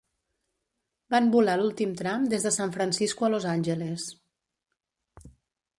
Van volar l'últim tram des de San Francisco a Los Angeles.